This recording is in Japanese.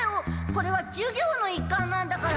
これは授業の一環なんだから。